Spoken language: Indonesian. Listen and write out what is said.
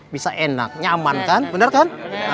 bisa enak nyaman kan bener kan